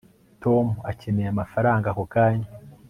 tom akeneye amafaranga ako kanya